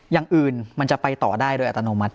อย่างอื่นมันจะไปต่อได้โดยอัตโนมัติ